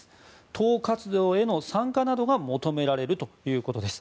党活動への参加などが求められるということです。